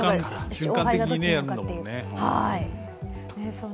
瞬間的にやるんだもんね。